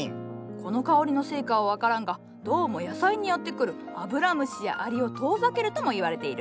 この香りのせいかは分からんがどうも野菜に寄ってくるアブラムシやアリを遠ざけるとも言われている。